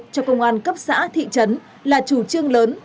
cho công an cấp xã thị trấn là chủ trương lớn